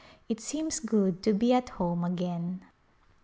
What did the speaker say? It seems good to be at home again.